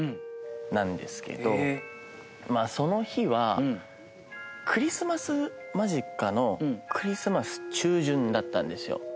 その日はクリスマス間近のクリスマス中旬だったんですよ。